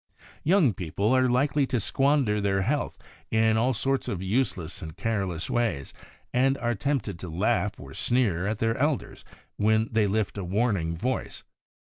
Young people are likely to squander their health in all sorts of useless and careless ways, and are tempted to laugh or sneer at their elders when they lift a warning voice.